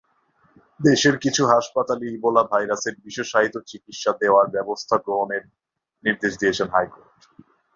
দেশের কিছু হাসপাতালে ইবোলা ভাইরাসের বিশেষায়িত চিকিৎসা দেওয়ার ব্যবস্থা গ্রহণের নির্দেশ দিয়েছেন হাইকোর্ট।